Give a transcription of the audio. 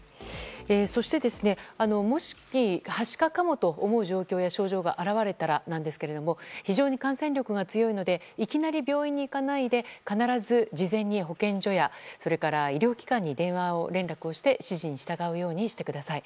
そして、もしはしかかもと思う状況や症状が表れたらですが非常に感染力が強いのでいきなり病院に行かないで必ず事前に保健所や医療機関に電話連絡をして指示に従うようにしてください。